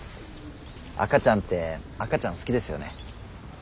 赤ちゃんって赤ちゃん好きですよね。